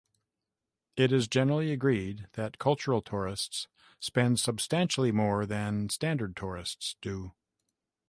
It is generally agreed that cultural tourists spend substantially more than standard tourists do.